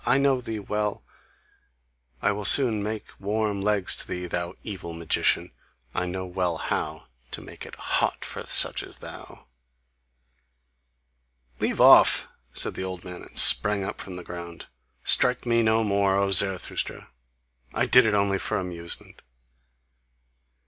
I know thee well! I will soon make warm legs to thee, thou evil magician: I know well how to make it hot for such as thou!" "Leave off," said the old man, and sprang up from the ground, "strike me no more, O Zarathustra! I did it only for amusement!